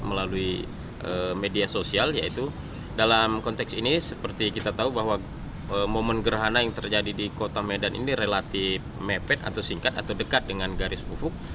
melalui media sosial yaitu dalam konteks ini seperti kita tahu bahwa momen gerhana yang terjadi di kota medan ini relatif mepet atau singkat atau dekat dengan garis pufuk